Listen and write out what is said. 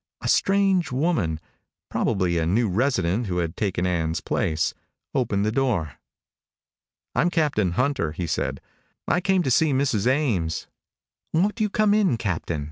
A strange woman probably a new resident who had taken Ann's place opened the door. "I'm Captain Hunter," he said. "I came to see Mrs. Ames." "Won't you come in, Captain?"